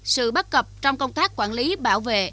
sự bắt cập trong công tác quản lý bảo vệ